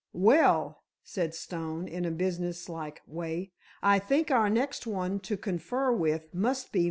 "Well," said Stone, in a business like way, "I think our next one to confer with must be Mr. Keefe."